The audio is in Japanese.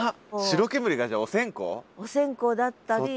白煙がじゃあお線香だったり。